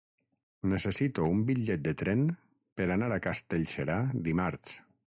Necessito un bitllet de tren per anar a Castellserà dimarts.